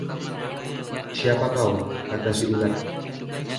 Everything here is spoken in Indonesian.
‘Siapa kau?’ kata si Ulat.